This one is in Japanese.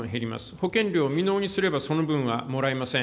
保険料未納にすれば、その分はもらえません。